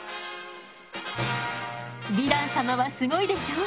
ヴィラン様はすごいでしょ？